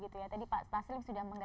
tadi pak staslim sudah menggarisbawahi